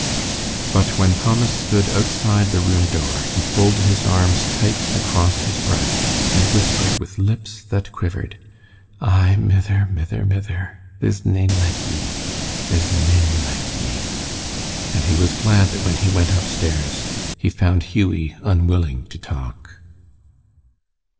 But when Thomas stood outside the room door, he folded his arms tight across his breast and whispered with lips that quivered, "Ay, mither, mither, mither, there's nane like ye. There's nane like ye." And he was glad that when he went upstairs, he found Hughie unwilling to talk.